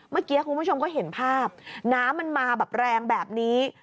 เมื่อกี้คุณผู้ชมก็เห็นภาพน้ำมันมาแบบแรงแบบนี้